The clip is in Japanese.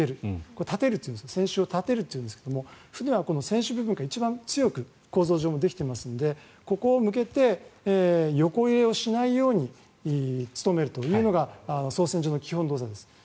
これは立てるというんですけれども船は船首部分が一番強く構造上もできていますのでここを向けて横揺れをしないように努めるというのが操船上の基本動作です。